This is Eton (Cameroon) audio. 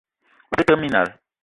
O te tee minal.